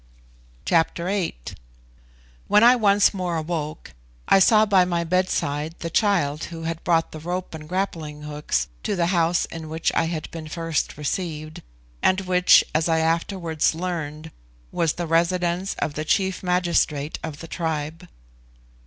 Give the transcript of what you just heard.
Chapter VIII. When I once more awoke I saw by my bed side the child who had brought the rope and grappling hooks to the house in which I had been first received, and which, as I afterwards learned, was the residence of the chief magistrate of the tribe.